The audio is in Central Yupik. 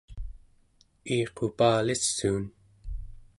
iiqupalissuun